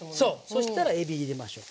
そしたらえび入れましょう。